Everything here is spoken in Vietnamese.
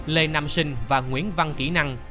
lê nam sinh và nguyễn văn kỹ năng